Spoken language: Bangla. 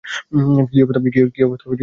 কী অবস্থা সামুদ্রিক জীবন?